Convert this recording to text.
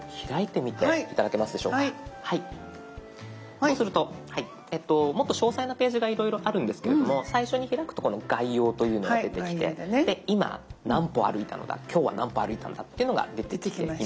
そうするともっと詳細なページがいろいろあるんですけれども最初に開くとこの「概要」というのが出てきて今何歩歩いたのだ今日は何歩歩いたのだっていうのが出てきています。